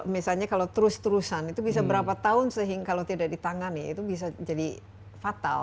misalnya kalau terus terusan itu bisa berapa tahun sehingga kalau tidak ditangani itu bisa jadi fatal